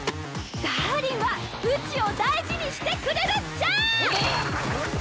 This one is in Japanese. ダーリンはうちを大事にしてくれるっちゃ！あたっ！